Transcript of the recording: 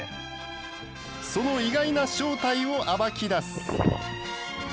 その意外な正体を暴き出す！